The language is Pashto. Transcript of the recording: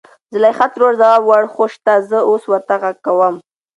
زليخا ترور ځواب وړ .هو شته زه اوس ورته غږ کوم.